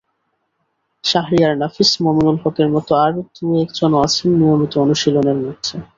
শাহরিয়ার নাফীস, মুমিনুল হকের মতো আরও দু-একজনও আছেন নিয়মিত অনুশীলনের মধ্যে।